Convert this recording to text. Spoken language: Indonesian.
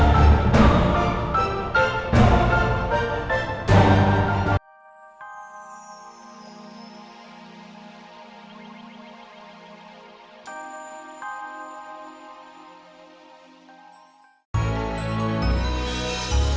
sampai jumpa di video selanjutnya